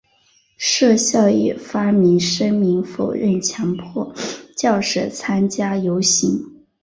设校亦发表声明否认强迫教师参加游行。